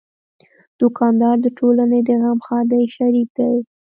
دوکاندار د ټولنې د غم ښادۍ شریک دی.